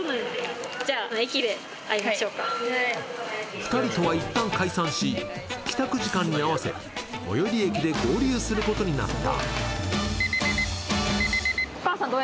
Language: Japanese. ２人とはいったん解散し、帰宅時間に合わせ最寄駅で合流することになった。